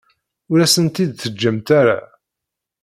Ur asen-t-id-teǧǧamt ara.